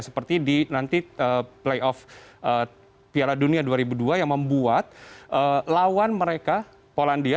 seperti di nanti playoff piala dunia dua ribu dua yang membuat lawan mereka polandia